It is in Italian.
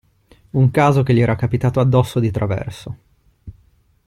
Un caso che gli era capitato addosso di traverso.